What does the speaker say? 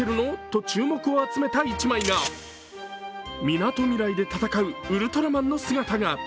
と注目を集めた１枚がみなとみらいで戦うウルトラマンの姿が。